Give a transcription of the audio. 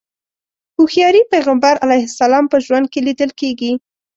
هوښياري پيغمبر علیه السلام په ژوند کې ليدل کېږي.